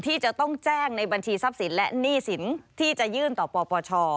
ที่จะต้องแจ้งในบัญชีทรัพย์สินและหนี้สินที่จะยื่นต่อปปช